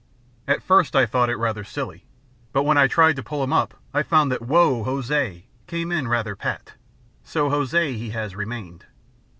At first I thought it rather silly; but when I tried to pull him up I found that "Whoa Ho sea!" came in rather pat; so Hosea he has remained.